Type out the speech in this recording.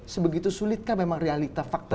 sebegitu sulitkah memang realita fakta